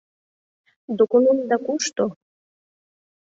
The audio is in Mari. ДОКУМЕНТДА КУШТО?